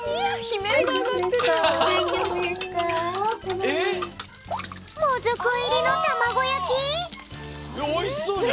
ねっおいしそう！